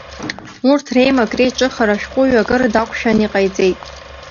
Урҭ реимак, реиҿыхара ашәҟәҩҩы акыр дақәшәаны иҟаиҵеит.